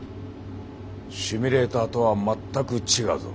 シミュレーターとは全く違うぞ。